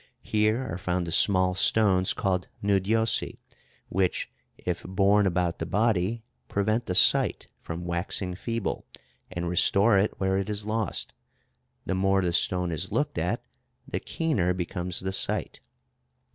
Here are found the small stones called Nudiosi, which, if borne about the body, prevent the sight from waxing feeble, and restore it where it is lost. The more the stone is looked at, the keener becomes the sight.